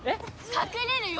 隠れるよ！